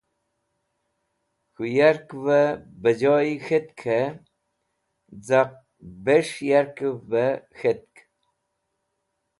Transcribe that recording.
K̃hũ yarkẽvẽ bejoy k̃htkẽ caq bes̃h yarkẽv bẽ k̃htk.